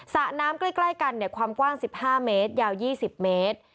สระน้ำใกล้กันความกว้าง๑๕เมตรยาว๒๐เมตร